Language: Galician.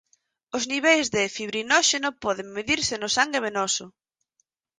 Os niveis de fibrinóxeno poden medirse no sangue venoso.